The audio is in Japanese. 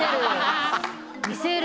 見せる。